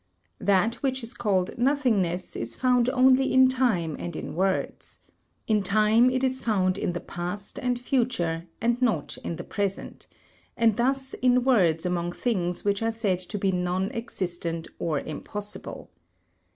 That which is called nothingness is found only in time and in words: in time it is found in the past and future, and not in the present; and thus in words among things which are said to be nonexistent or impossible.